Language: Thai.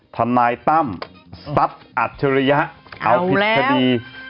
ทนายตั้มทรัพย์อัจฉริยะเอาผิดคดี